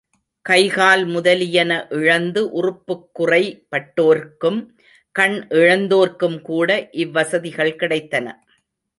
கைகால் முதலியன இழந்து உறுப்புக்குறை பட்டோர்க்கும், கண் இழந்தோர்க்கும்கூட இவ் வசதிகள் கிடைத்தன.